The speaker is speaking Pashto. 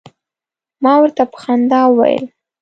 ما ورته په خندا وویل.